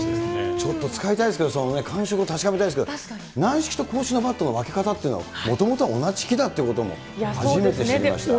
ちょっと使いたいですけれども、感触を確かめたいですけれども、軟式と公式のバットの分け方っていうのは、もともと同じ木だっていうのも初めて知りました。